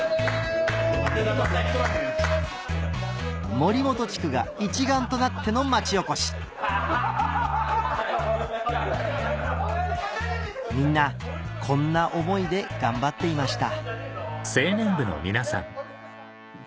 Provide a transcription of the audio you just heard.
森本地区が一丸となっての町おこしみんなこんな思いで頑張っていました